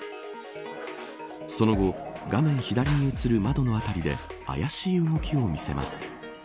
その後画面左に映る窓の辺りであやしい動きを見せます。